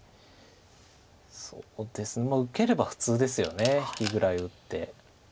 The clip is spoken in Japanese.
そうですね受ければ普通ですよね引きぐらい打って。